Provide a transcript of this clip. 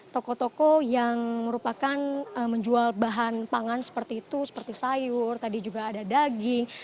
toko toko yang merupakan menjual bahan pangan seperti itu seperti sayur tadi juga ada daging